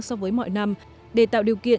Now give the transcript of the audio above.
so với mọi năm để tạo điều kiện